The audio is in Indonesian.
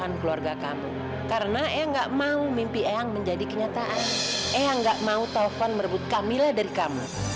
apa kamu mau untuk tinggal bersama aku